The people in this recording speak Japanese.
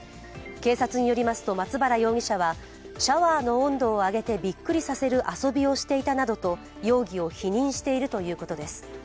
警察によりますと、松原容疑者はシャワーの温度を上げてびっくりさせる遊びをしていたなどと容疑を否認しているということです。